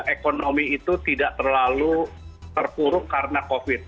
ekonomi itu tidak terlalu terpuruk karena covid